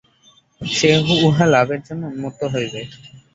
সে উহা লাভের জন্য উন্মত্ত হইবে।